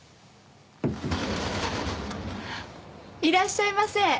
いらっしゃいませ。